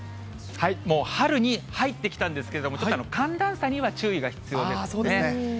もう春に入ってきたんですけれども、寒暖差には注意が必要ですね。